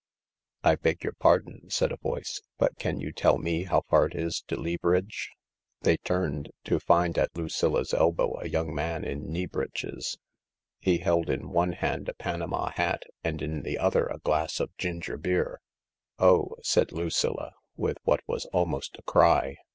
" I beg your pardon," said a voice, " but can you tell me how far it is to Leabridge ?" They turned, to find at Lucilla 's elbow a young man in knee breeches. He held in one hand a panama hat and in the other a glass of gingerbeer. " Oh !" said Lucilla, with what was almost a cry.